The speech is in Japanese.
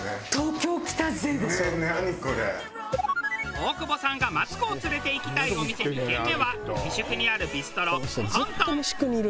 大久保さんがマツコを連れていきたいお店２軒目は三宿にあるビストロｋｏｎｇｔｏｎｇ。